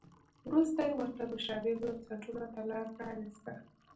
وروسته یې ورته مشابه بنسټونو ته لار پرانیسته.